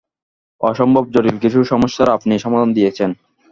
অসম্ভব জটিল কিছু সমস্যার আপনি সমাধান দিয়েছেন।